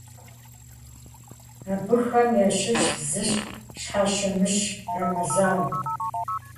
Абыхэм ящыщ зыщ Щхьэщэмыщӏ Рэмэзан.